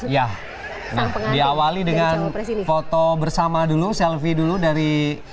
ya diawali dengan foto bersama dulu selfie dulu dari